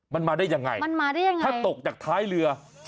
มันมาได้ยังไงถ้าตกจากท้ายเรือ